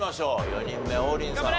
４人目王林さん